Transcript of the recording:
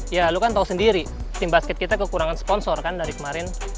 ya lu kan tahu sendiri tim basket kita kekurangan sponsor kan dari kemarin